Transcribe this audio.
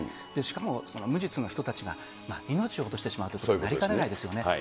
しかも無実の人たちが命をしてしまうということになりかねないですよね。